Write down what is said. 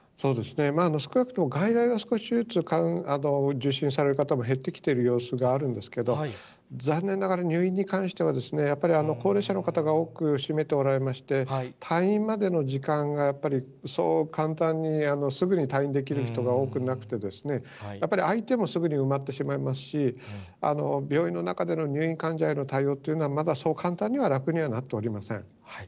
少なくとも外来は少しずつ受診される方も減ってきている様子があるんですけど、残念ながら入院に関しては、やっぱり高齢者の方が多く占めておられまして、退院までの時間がやっぱり、そう簡単にすぐに退院できる人が多くなくて、やっぱり相手もすぐに埋まってしまいますし、病院の中での入院患者への対応というのは、まだそう簡単には楽にはなっておりません。